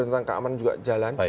tentang keamanan juga jalan